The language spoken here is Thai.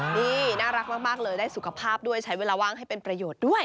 นี่น่ารักมากเลยได้สุขภาพด้วยใช้เวลาว่างให้เป็นประโยชน์ด้วย